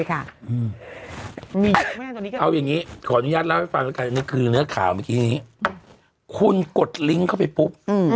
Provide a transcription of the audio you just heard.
คุณกดลิงก์เข้าไปปุ๊บ